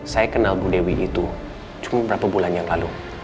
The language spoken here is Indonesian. saya kenal bu dewi itu cukup berapa bulan yang lalu